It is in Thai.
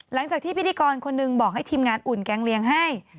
หลังจากที่พิธีกรคนหนึ่งบอกให้ทีมงานอุ่นแก๊งเลี้ยงให้